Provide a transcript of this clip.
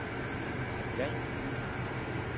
Әткәң?